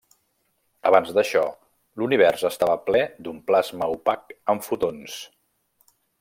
Abans d'això, l'univers estava ple d'un plasma opac amb fotons.